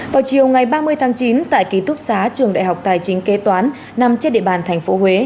vào chiều ngày ba mươi tháng chín tại ký túc xá trường đại học tài chính kế toán nằm trên địa bàn tp huế